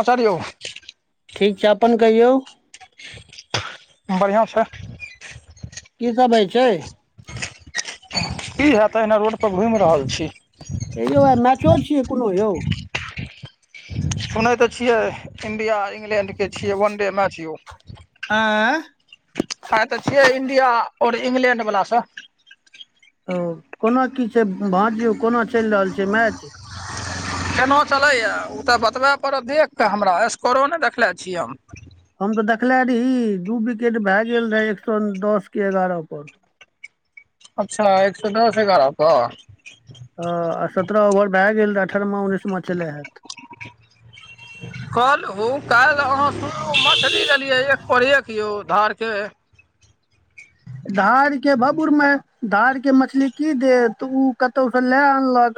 पसारि औ- ठीक छै अपन कहियौ? बरियां छै। की सब होय छै। की हेतै ओहिना रोड पर घुइम रहल छी। यौ आय मैचो छियै कुनू यौ? सुनै तऽ छियै इण्डिया इंग्लैण्ड के छियै वन डे मैच यौ। अँए- आय तऽ छियै इंडिया और इंग्लैंड वला सँ। औ कोना की छै भाँज यौ कोना चैल रहल छै मैच। केना चलैए उतऽ बतबै पड़त देख कऽ हमरा स्कोरो नै देखले छीयै हम। हम तऽ देखले रही दू बिकेट भए गेल रहय एक सौ दस कऽ एगारह पर। अच्छा एक सौ दस एगारह पर। आ सत्रह ओवर भऽ गेल रहै अठारहमा उन्नैसमा चलै हेएत। कल ओ कैल्ह आहाँ सुन मछली लेलियए एक पर एक यौ धार के। धार के भप पुर मे धार के मछली की देत उ कतौ सँ लाए आनलक।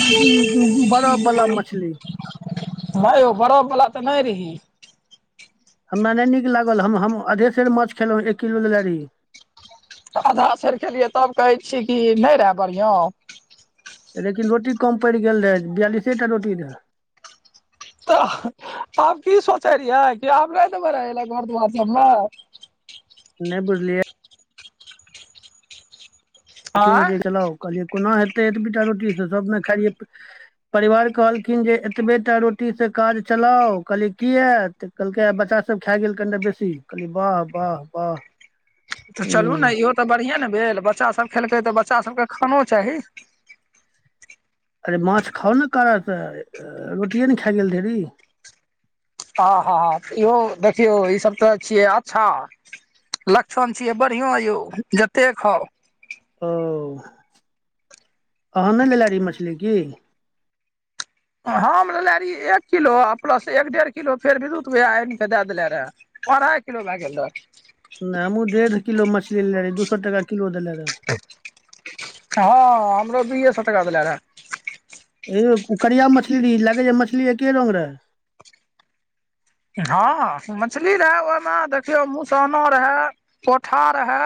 [unintelligible] बरफ बला मछली। भायौ बरफ बला तऽ नै रही। हमरा नै नीक लागल हम हम अधे सेर माछ खेलौ एक किलो लेलए रीह। अधा सेर खेलियै तब कहै छी कऽ नै रहे बढ़ियां। लेकिन रोटी कम पैड़ गेल रहए बियालिसेटा रोटी रहए। तऽ आब की सोचै रिहय की आब नै देबै रहैले घर दुआर सबमाछ। नै बुझलियै। लेकिन आँय जँ चलब कहलियै कोना हेतै एतबीटा रोटी सँ सब नै खाय रिहेतऽ। परिवार कहलखिन जँ एतबेटा रोटी सँ काज चलाउ कहलियै किया तऽ। कहलकै आ बच्चा सब खाए गेल कनिटा बेसी कहलियै बाह! बाह! बाह! तऽ चलू नै इहो तऽ बढ़िएँ नै भेल बच्चा सब खेलकै तऽ बच्चा सबकेँ खानो चाही। अरे माछ खाउ नै कारा सँ रोटिये नहि खाए गेल ढेरी। आहा- हा इहो देखियौ ई सब तऽ छियै अच्छा। लक्षण छियेै बढ़ियां यौ जते खाउ। ओ आहाँ नै लेलेए रिहे मछली की? हम लेले रहि एक किलो आ प्लस एक डेढ़ किलो फेर वि रुत भैया आनि के दए देले रहे। अढ़ाइ किलो भए गेल रहऽ। नहि हमूँ डेढ़ किलो मछली ले रहे दू सौ तेरहटाका किलो देले रहे। हँ हमरो दुए सौ टका देले रहए। यौ उकरिया मछली री लगे जे मछली एके रंग रहे। हँ मछली रहै ओहिमे देखियौ मुसाना रहै पोठा रहै।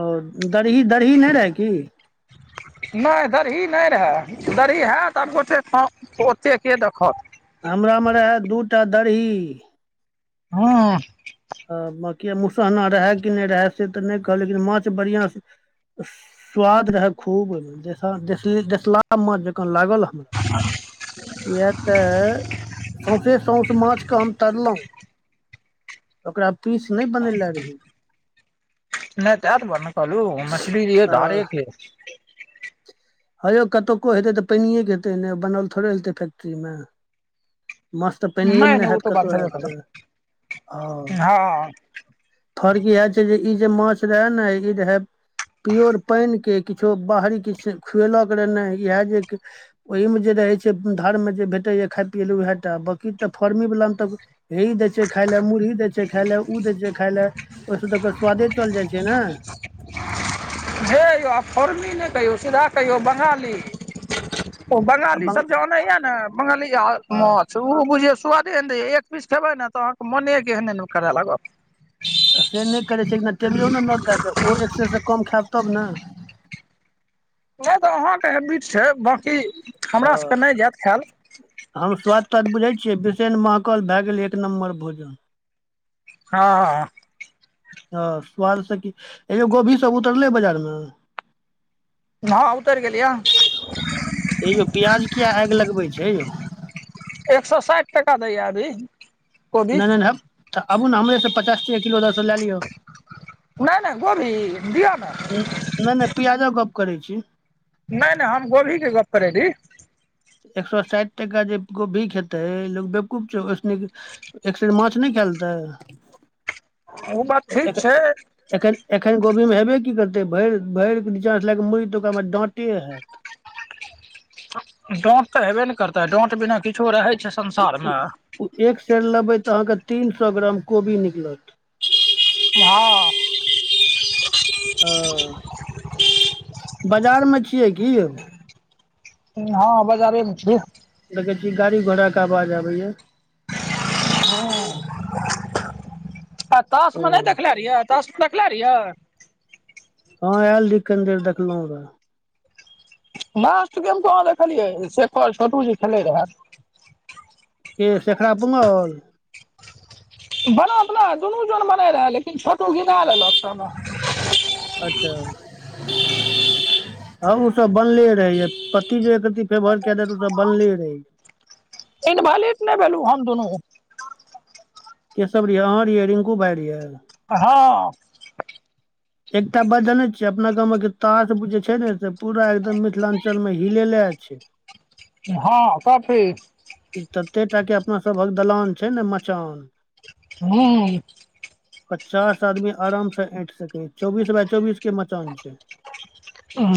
और दरही दरही नैह रहै की। नैय दरही नैय रहये दरही हेएत आब गोेटे ओतेक के देखत। हमरा मे रहए दूटा दरही। हूँ। हँ बकिया मुसहना रहए कि नै रहए से तऽ नहि कहब लेकिन माछ बढ़िआँ सँ- स्वाद रहे खूब देसा-देसले-देसला माछ जेंका लागल हमरा। [unintelligible] किए तऽ सौसे साँस माछके हम तरलौ। ओकरा पीस नै बनेले रहियै। नैह तऽ तहेत दुआरे नै कहलू मछली रहै आ धारे के। हे यौ कतौके हेतै तऽ पानियए के हेतै बनल थोड़े हेतै फैक्ट्रीमे। माछ तऽ पैनियए नहि मे नै नहि ओ हेएत तऽ बात कतौ छेबे हेएत करत हँ। हँ फर्क इहे छै जे ई जे माछ रहै ने ई रहे। पियोर पैन के किछो बाहरी किछु खुएलक रहना इएह जे की ओहि मे जे रहे छै धार मे जे भेटेए खाय पिय ले उएहे। तऽ बाँकी तऽ फर्मीवलामे तऽ हे ई दै छै खाइ लए मुरही दै छै खाइ लए ओ दै छै खाइ लए। ओहिसँ तऽकर स्वादे चअल जाइत छै ने। हे यौ आब फौर्मी नै कहियौ सीधा कहियौ बंगाली। ओ आ बंगाली बं सब जे आनैया ने बंगाली माछ। से ओ बुझियौ सुवादे नै एक पीस खेबै ने तऽ अहाँके मने केएहने दुन करय लागत। से नहि करै छै, एकना टेबियो ने नोत दए कऽ ओ एकसेर से कम खायब तब ने। नहि तऽ अहाँके हैबिट छै, बाँकी हमरा हँ सभके नहि हैयत खायल। हम स्वाद- त्वाद बुझै छियै, बिसैन महकल भए गेल एक नम्बर भोजन। हँऽ। हँ स्वाद से की, अंयो गोभी सब उतरले बाजार में। न उतैर गेलै यऽ। हे यौ प्याज किया आगि लगबै छै यौ। एक सौ साठि टाका दैय यऽ अभी। कोबी नै- नै हब तऽ आबू ने हमरेसँ पचास टके किलो लए लिअ। नै- नै गोभी दियऽ ने। नै- नै पियाजक गप्प करै छी। नै- नै हम गोभी के गप्प करे री। एक सए साठि टाका जे गोभी खेतै, लोक बेवकूप छै, ओसे निक एकसेर माछ नहि खै लेतैऽ। ओ बात ठीक छै। एखन -एखन गोभी मे हेबे की करतै, भरि- भरि नीचा लए क मुड़ तऽ ओकरा में डाँटे हैत। डांट तऽ हेबे ने करतै, डांट बिना किछो रहै छै संसार में। ओ एक सेर लेबै तऽ अहाँके तीन सए ग्राम कोबी निकलत। हँ। ह। बाजार में छियै की यौऽ। हँ बाजारे मे छीयै। देखै छि गाड़ी- घोड़ा के आवाज आबैया। हंऽ। तास ओ मे नहि देखले रहियै, तास मे देखले रहियै। हँं आयल रही कनि देर देखलहुं है। लास्ट गेम कहां देखलियै, शेखर - छोटु जी खेलै रहै। के शेखरा तुमौल। बनोत नै दुनू जोन में नै रहे, लेकिन छोटु घिना लेलक। अच्छा हमू सब बनले रहैय पति जे एक रति। पे भर के देतौ सब बनले रहे। इनभैलिड नहि भेलु हम दुनू। के सब रेहै, अहाँ रेहयै रिंकू भाय रेहयै। हाॅ। एकटा बात जानै छियै, अपना गामके तास बुझे छै ने से पूरा एकदम मिथिलांचल में हिलेलैय छैय। ऐऽक हँ काॅफी। ई तते टा के अपना सभक दलान छै ने मचान। हूं। पचास आदमी आराम से ऐठ सकैय चौबीस बााय चौबीस के मचान छै।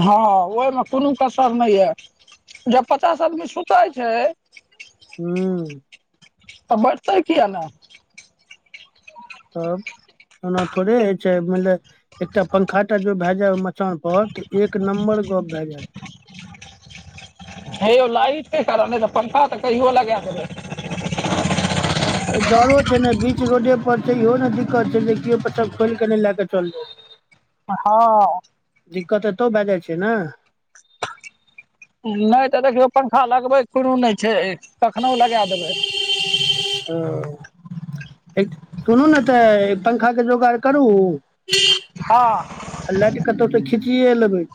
हँ ओहिमे कोनो कसर नहि यै, जब पचास आदमी सुतैय छैय। हू। तऽ बैठतै किया ने। तब ओना थोड़े हैय छै मेनले। एकटा पंखा टा जो भए जाय मचान पर, तऽ एक नम्बर गप्प भए जायत। हे यौ लाइट के कारण नहि तऽ पंखा तऽ कहियो लेगा दैबय। [inaudible] ऐय डरो छै ने बीच रोडे पर छै इहो ने दिक्कत छै जे कियो पाछा खोइल के नहि लए क चैल जाय। [inaudible] आ हँ दिक्कत एतौ भए जाय छै ने। नहि तऽ देखियौ पंखा लगबैक कुनु नहि छै कखनो लैगा देबैय। हं। एक सुनू ने तैऽ पंखा के जोगाड़ करू। हँ। अ लाईट कतहु तऽ खिचिए लेबैय।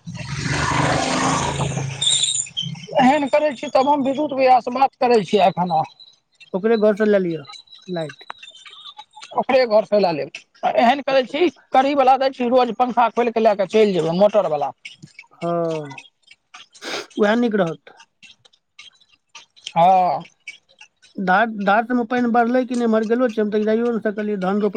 एहन करै छी तब हम विद्युत विया स बात करै छियै एखन हम। ओकरे घर सँ लए लियअ लाइट। ओकरे घरसँ लए लेब अ एहन करै छी। कड़ी वला दैय छी रोज पंखा खोलिके लए क चलि जेबैय मोटर बला। हँ उहै नीक रहत। हँ। धान धान मे पइन बढ़ले कि नहि एमर गेलो छी, हम त जाइयो ने सकलियै धान रोप।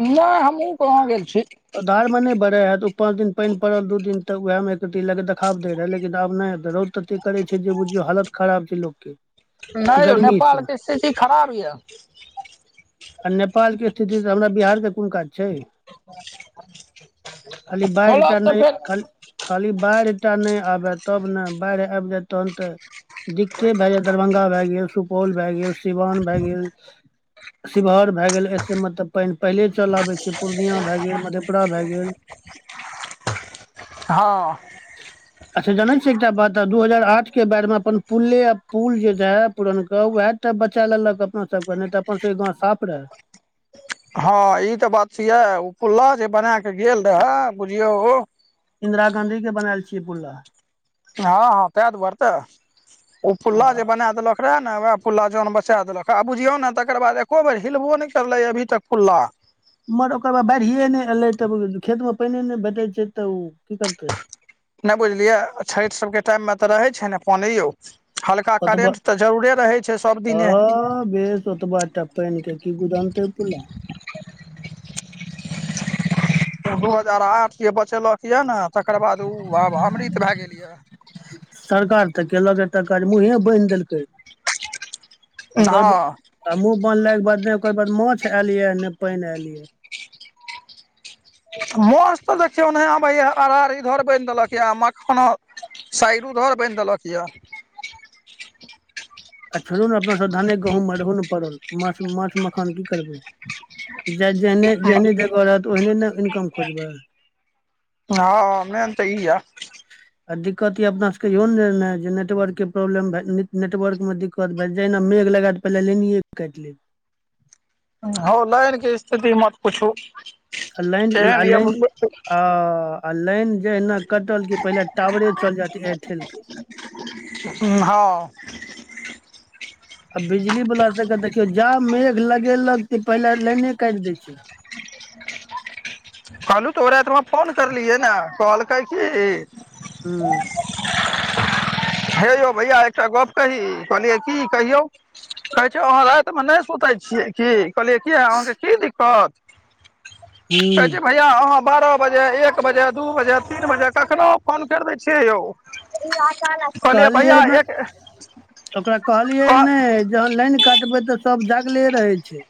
नई हमहुँ कहाँ गेल छी। ओ धारमे नहि बढ़ै है तऽ ओ पाँच दिन पानि पड़ल दू दिन तऽ उहै मे तैय लऽक देखाब दै रहै लेकिन आब नहि हेतै रौद। तते करे छै जे बुझियौ हालत खराब छै लोक के। नहि यौ गर्मी नेपाल से के स्थिति खराब यैऽ। आ नेपाल के स्थिति सँ हमरा बिहार के कुन काज छै। खाली बाढि खोलब टा तऽ नहि फेर खाली। खाली बाढ़ि टा नहि आबैय तब ने बाढ़ि आबि जाय तहन तऽ। दिकते भए जाय दरभंगा भए गेल सुपौल भए गेल सिवान भए गेल। शिवहर भए गेल एते मतब पानि पहिले चल आबै छै पूर्णिया भए गेल मधेपुरा भए गेल। [inaudible] हँ अच्छा जनै छियै एकटा बात दू हजार आठ के बैर मे अपन। पुले आ पुल जे रहै पुरनका वएह टा बचा लेलक अपना सबके नैय तऽ अपन सबके गाँव साफ रहे। हँ ई तऽ बात सही ओ पुला जे बना क गेल रहे बुझियौ। इंन्दिरा गाँंधी के बनेल छियै पुल। हँ हँ तँए दुआरे तऽ ओ पुला जे आ बना देलक। ओकरा ने वएह पुल्ला जौन बचा देलक आ बुझियौ ने तकर बाद एको बेर हिलबो नैय करलै अभी तक पुल्ला। मगर ओकर बाद बाढ़िए नैय एलै तऽ खेत मे पैनिये नैय भेटै छै तऽ ओ की करतै। नैय बुझलियै छैठ सब के टाइम मे तऽ रहै छै ने पानी यौ। हल्का करेंट तऽ जरूरे रहै छैय सब दिने। ह बेस ओत बात। एकटा पेैन के की गुदानतै पुला। दू हजार आठ जे बचेलक ये ने तकर बाद ओ आब अमृत भए गेल या। सरकार तऽ केलक ए तकर मुँहे बैन्ह देलकै। ओकर बाद हँ। आ मुँह बानला के बाद ने ओकर बाद माछ एयल ये ने पैन एयल ये। माछ तऽ देखियौ नैय आबैया अरारी इधर बैन देलक या मखाना। सैडो उधर बैन्ह देलक यए। आ छोड़ू ने अपना सब धाने गहूॅंम मे रहु ने पड़ल, माछ -माछ मखान की करबै। जे -जेहने यऽ -जेहने जगह रहत ओहने ने इनकम करबै। हँ इमरन तऽ ई या - - आ दिक्कत या अपना सबके इहो ने ने जे नेटवर्क के प्रॉब्लम भ नेटवर्क मे दिक्कत भए जेहिना मेघ लगा- - पैहले लैनये कैट लेत। होउ बैरह के स्थिति मत पुछू। आ लाइन आ लाइन आ आ आ आ - - आ लाइन जहिना कटल कि पहिले टावरे चल जे ऽत एयरटेल के, - - हु हँ- - आ बिजली वाला सब के देखियो, जा मेघ लगेलक की पहिले लाइने कैट देैय छैई। कहलू तोरा एकबार फोन क लियै न त कॉल - - कै हियै। हूँ - - हे यौ भैया एकटा गप कही कहलियै की कहियौ। कहै छैय आहाँ रैत मे नैय सुतै छियै कि, कहलियै कि आहाँ के कि दिक्कत- - सर हूँ जी भाई- - किया आहाँ बारह बजे, एक बजे, दू बजे, तीन बजे, तखनो फोन कैर दै छियै यौ। ई आशा लेय। कहलियै ने ओकरा कहलियै कह नेैय- - जहन लैइन कटबै तऽ सब जगले रहेै छैय।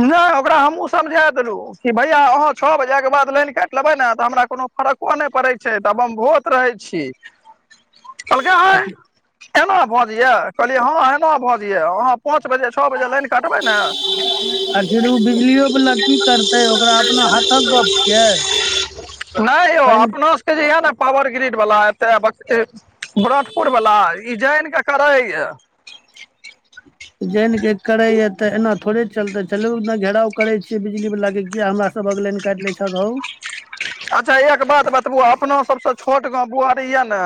नैय ओकरा हमहुँ समझा देलु कि भैया आहाँ छ बजे के बाद लाइन कैट लेबै ने तऽ हमरा कोनो फर्क - - ओ नैय करेई छै, तब हम भोत रहै छी। कहलकै हैई एना भजैया कहलियै हँ एना भजैया आहाँ - - पाँच बजे, छ बजे, लाइन कटबै ना। आखिर ओ बिजलियो वला की करतै ओकरा अपना हाथक गप छियै। नैय यौ पानि अपना सबके जे यए ने पावर ग्रिड बला एतै अपना सब के। बरथपुर वला ई जैन कऽ करै या। जैन के करेै या तऽ एना थोड़े चलते चलूना घेराव करै छि बिजली वाला के किया हमरा - - सबहक लेैन कैट लै छ होउ। अच्छा एक बात बतबू अपना सब सँ छोट गाँव बुआरी या न।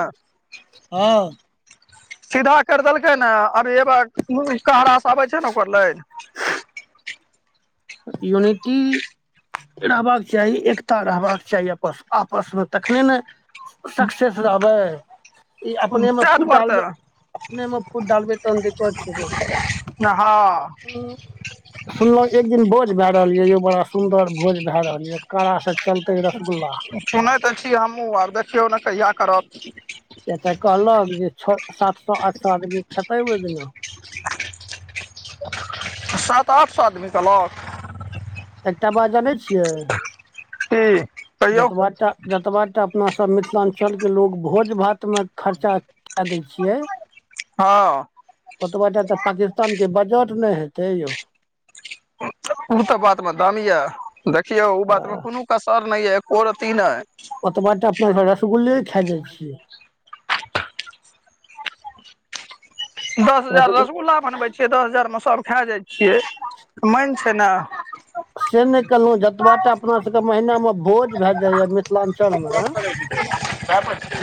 हँ। सीधा कर देलके न अरेवाक कहराँस आबै छै ने ओकर लय। यूनिटी- - एना रहबाक चाही, एकता रहबाक चाही, आपस आपस मे तखने न - - सक्सेस रहबै - - ई अपने मे ताहि फूट दुआरे डालबै तऽ अपने मे फूट डालबै तहन दिक्कत छै ने- - न आ - - सुनलहु एक दिन बोज भए रहल यऽ यौ बड़ा सुन्दर भोज भए रहल यऽ। कड़ा से चलतेै रसगुल्ला- - सुनैत तऽ छी हमहूँ आब देखियौ ने कहिया करत। किया तऽ कहलक जे छ, सात सौ, आठ सौ, आदमी खेतै ओहि दिना। सात, आठ, सौ आदमी कहलक- - एकटा बात जानै छियै। की कहियौ जतबाटा, जतबाटा अपना सब मिथलांचल के लोग भोज-भात मे खर्चा काए दै छियै। हां। ओतबाटा तऽ पाकिस्तान के बजट नै हेते यौ। ऊ तऽ बात मे दम या, देखियौ उ बात मे आ कुनू कसर नै या ए को रति नै। ओतबाटा अपना सब रसगुल्ले खाय जाय छी। दस हजार रसगुल रसगुल्ला बनबै छियै, दस हजार मे सब खाय जाय छियै मैन छै नै। से नै कहलौ जतबाटा अपना सबके महिना मे भोज भाए जायया मिथ लांचल मे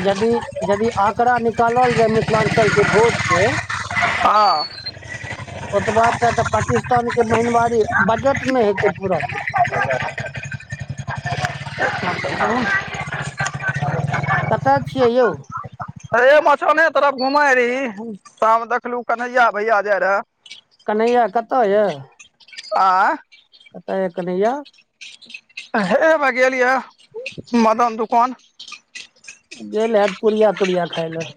यदि, यदि आंकड़ा निकालल जाय मिथलांचल के भोज के हां। ओतबाटा तऽ पाकिस्तान के महीन बारी बजट मे [unintelligible] कतऽ छियै यौ। हे मचाने तरफ घुमय रही, ता मे देखलु कन्हैया भैया जाय रेहाए। कन्हैया कतऽ यऽ। आँय। कता या कन्हैया। हेबे गेल या मदन दुकान। गेल हाएत पुरिया-तूरिया खायले।